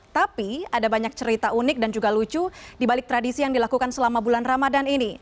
tapi ada banyak cerita unik dan juga lucu dibalik tradisi yang dilakukan selama bulan ramadan ini